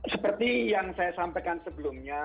seperti yang saya sampaikan sebelumnya